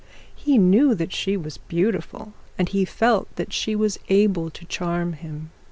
He knew that she was beautiful, and he felt that she was able to charm him.